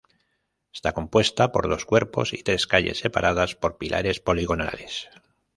Está compuesta por dos cuerpos y tres calles separadas por pilares poligonales.